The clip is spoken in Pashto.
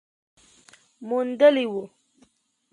موندلې وه